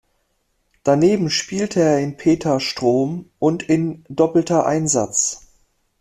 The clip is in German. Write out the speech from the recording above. Daneben spielte er in "Peter Strohm" und in "Doppelter Einsatz".